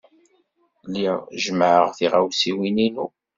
Lliɣ jemmɛeɣ tiɣawsiwin-inu.